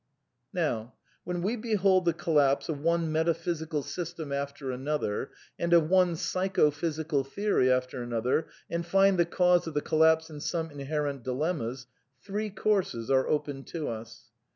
Now, when we behold the collapse of one metaphysical system after another, and of one psycho physical theory aiter another, and find the cause of the collapse in some inherent dilemma, three c ourses are open to us.